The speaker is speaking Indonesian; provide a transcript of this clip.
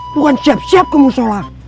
bukan siap siap kamu salat